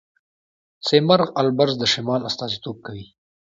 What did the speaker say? سیمرغ البرز د شمال استازیتوب کوي.